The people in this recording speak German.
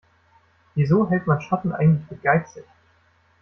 Wieso hält man Schotten eigentlich für geizig?